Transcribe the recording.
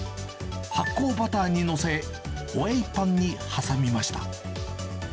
発酵バターに載せ、ホエイパンに挟みました。